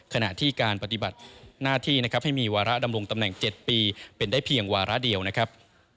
ขณะที่การปฏิบัติหน้าที่นะครับให้มีวาระดำรงตำแหน่ง๗ปีเป็นได้เพียงวาระเดียวนะครับ